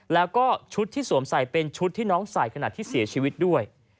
แล้วก็ชุดที่สวมใส่เป็นชุดที่น้องใส่ขณะที่เสียชีวิตด้วย